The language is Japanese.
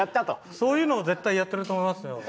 そういうのを絶対やってると思いますよ。